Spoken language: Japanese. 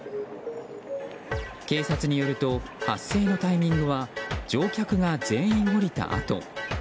警察によると発生のタイミングは乗客が全員降りたあと。